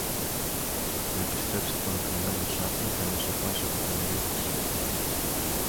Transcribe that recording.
να επιστρέψει τον κλεμμένο σάκο, για να σωπάσει ο Κακομοιρίδης.